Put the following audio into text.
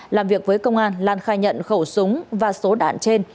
làm việc với công an lan khai nhận khẩu súng và số đạn trên